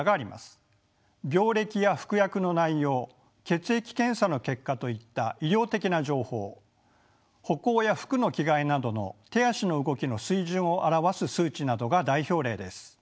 血液検査の結果といった医療的な情報歩行や服の着替えなどの手足の動きの水準を表す数値などが代表例です。